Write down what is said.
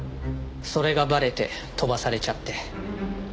それがバレて飛ばされちゃって。